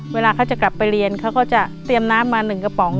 เวลาเขาจะกลับไปเรียนเขาก็จะเตรียมน้ำมา๑กระป๋อง